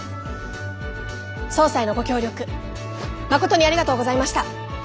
捜査へのご協力まことにありがとうございました！